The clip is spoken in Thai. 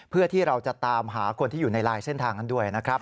เพื่อที่เราจะตามหาคนที่อยู่ในลายเส้นทางนั้นด้วยนะครับ